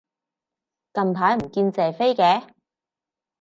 近排唔見謝飛嘅